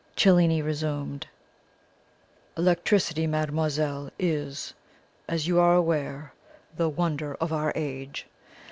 Cellini resumed: "Electricity, mademoiselle, is, as you are aware, the wonder of our age.